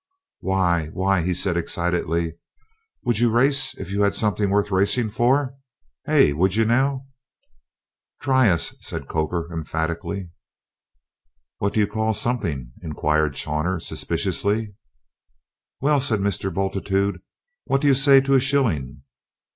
"Why why," he said excitedly, "would you race if you had something worth racing for, hey? would you now?" "Try us!" said Coker emphatically. "What do you call 'something'?" inquired Chawner suspiciously. "Well," said Mr. Bultitude; "what do you say to a shilling?"